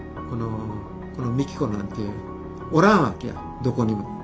この美紀子なんておらんわけやどこにも。